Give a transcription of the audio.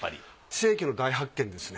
世紀の大発見ですね。